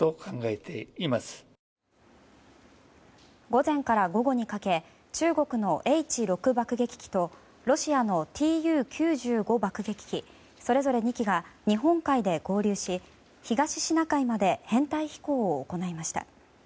午前から午後にかけ中国のＨ６爆撃機とロシアのＴＵ９５爆撃機それぞれ２機が日本海で合流し東シナ海まで編隊飛行を行いました。